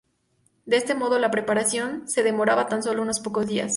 De este modo, la preparación se demoraba tan sólo unos pocos días.